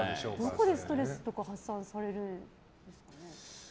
どこでストレスとか発散されるんですか。